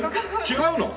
違うの？